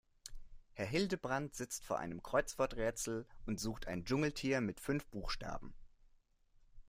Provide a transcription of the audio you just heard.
Herr Hildebrand sitzt vor einem Kreuzworträtsel und sucht ein Dschungeltier mit fünf Buchstaben.